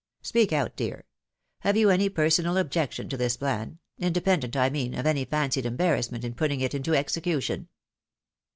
Speak out, dear ! Have you any personal objec tion to this plan, independent, I mean, of any fancied embarrass ment in putting it into execution